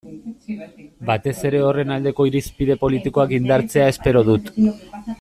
Batez ere horren aldeko irizpide politikoak indartzea espero dut.